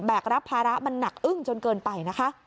แบกรับภาระมันนักอึ้งจนเกินไป